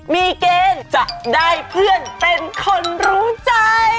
มีเกณฑ์จะได้เพื่อนเป็นคนรู้ใจ